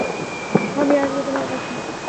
আমি আসবো তোমার কাছে!